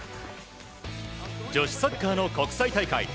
女子サッカーの国際大会。